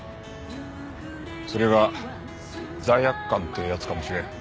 それが罪悪感というやつかもしれん。